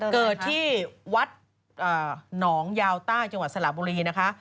เกิดที่วัดหนองยาวใต้จังหวัดสระบุรีนะคะ